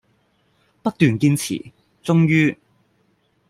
不斷堅持，終於